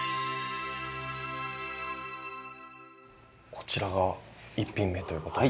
こちらが一品目ということで。